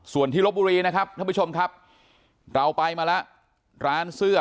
ส่วนที่ลบบุรีนะครับท่านผู้ชมครับเราไปมาแล้วร้านเสื้อ